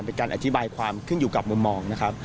เป็นการอธิบายความขึ้นอยู่กับมุมมองนะครับ